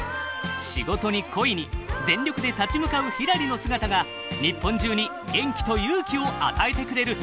仕事に恋に全力で立ち向かうひらりの姿が日本中に元気と勇気を与えてくれる！